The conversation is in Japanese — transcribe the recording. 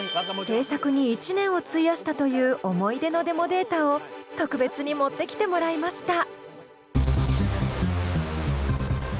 制作に１年を費やしたという思い出のデモデータを特別に持ってきてもらいました。